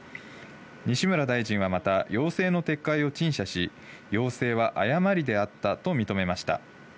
西村大臣はまた要請の撤回を陳謝し、要請は誤りであったと認めました。